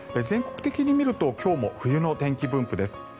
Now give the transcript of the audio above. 全国的に見ると今日も冬の天気分布です。